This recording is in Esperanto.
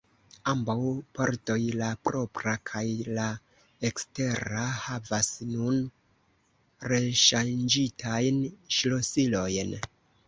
Ambaŭ pordoj, la propra kaj la ekstera, havas nun reŝanĝitajn ŝlosilojn.